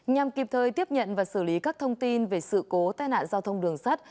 nhằm kịp thời tiếp nhận và xử lý các thông tin về sự cố tai nạn giao thông đường sắt